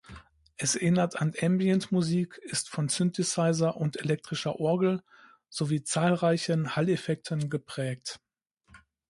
Es erinnert an Ambient-Musik, ist von Synthesizer und elektrischer Orgel sowie zahlreichen Hall-Effekten geprägt.